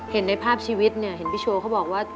เห็นในภาพชีวิตเนี่ยเห็นพี่โชว์เขาบอกว่า